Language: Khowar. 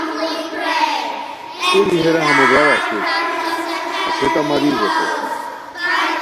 توری ہیرا ہمو برار اسور ہسے تہ ماریر ریتائے